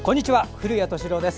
古谷敏郎です。